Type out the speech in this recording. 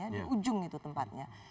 di ujung itu tempatnya